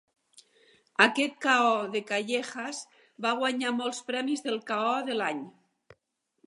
Aquest KO de Callejas va guanyar molts premis del "KO de l'any".